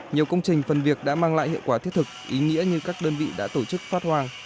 nhiều công trình phần việc đã mang lại hiệu quả thiết thực ý nghĩa như các đơn vị đã tổ chức phát hoàng